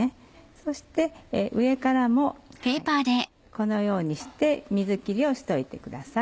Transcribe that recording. そして上からもこのようにして水切りをしておいてください。